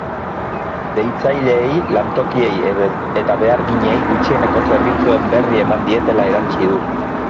Deitzaileei, lantokiei eta beharginei gutxieneko zerbitzuen berri eman dietela erantsi du.